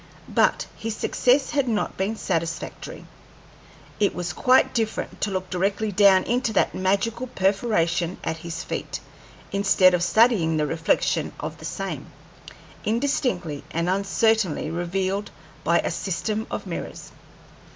But his success had not been satisfactory. It was quite different to look directly down into that magical perforation at his feet, instead of studying the reflection of the same, indistinctly and uncertainly revealed by a system of mirrors.